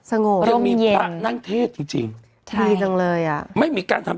สงบรมเย็นยังมีพระนั่งเทศจริงใช่ดีจังเลยอะไม่มีการทำ